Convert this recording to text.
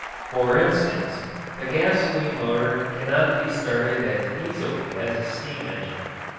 For instance, the gasoline motor cannot be started as easily as a steam engine.